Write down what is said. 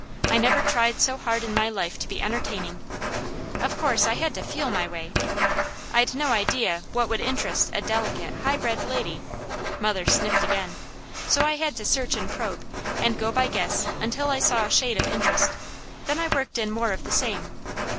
I never tried so hard in my life to be entertaining. Of course I had to feel my way. I'd no idea what would interest a delicate, high bred lady" mother sniffed again "so I had to search and probe, and go by guess until I saw a shade of interest, then I worked in more of the same.